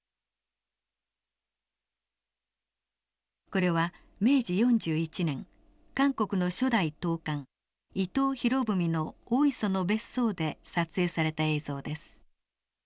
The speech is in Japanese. これは明治４１年韓国の初代統監伊藤博文の大磯の別荘で撮影された映像です。